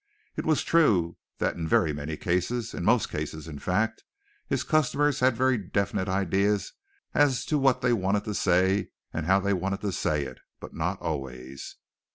It was true that in very many cases in most cases, in fact his customers had very definite ideas as to what they wanted to say and how they wanted to say it, but not always.